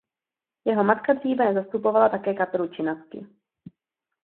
Jeho matka dříve zastupovala také kapelu Chinaski.